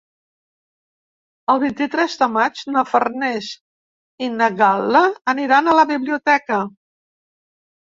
El vint-i-tres de maig na Farners i na Gal·la aniran a la biblioteca.